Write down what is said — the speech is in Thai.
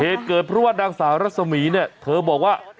เหตุเกิดเพราะว่านางสาวรัศมีร์เนี่ยเธอบอกว่า